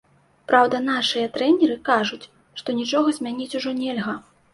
Праўда, нашыя трэнеры кажуць, што нічога змяніць ужо нельга.